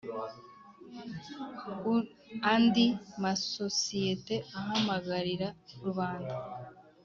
andi masosiyete ahamagarira rubanda